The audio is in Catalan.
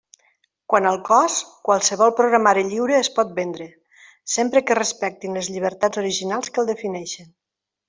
Quant al cost, qualsevol programari lliure es pot vendre, sempre que es respectin les llibertats originals que el defineixen.